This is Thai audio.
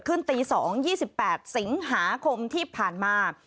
ตี๒๒๘สิงหาคมที่ผ่านมา